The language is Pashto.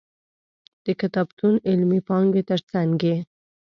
د کتابتون علمي پانګې تر څنګ یې.